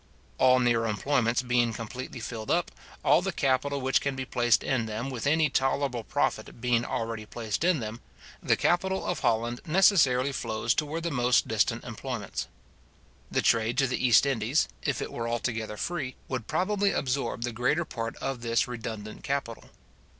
All near employments being completely filled up, all the capital which can be placed in them with any tolerable profit being already placed in them, the capital of Holland necessarily flows towards the most distant employments. The trade to the East Indies, if it were altogether free, would probably absorb the greater part of this redundant capital.